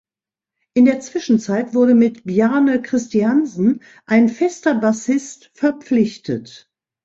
In der Zwischenzeit wurde mit Bjarne Kristiansen ein fester Bassist verpflichtet.